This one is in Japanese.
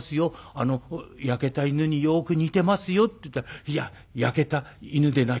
あの焼けた犬によく似てますよ』って言ったら『いや焼けた犬でなきゃ嫌だ。